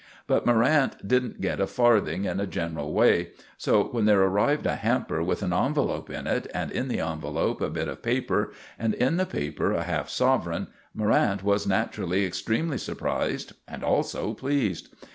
But Morrant didn't get a farthing in a general way; so when there arrived a hamper with an envelope in it, and in the envelope a bit of paper, and in the paper a half sovereign, Morrant was naturally extremely surprised and also pleased.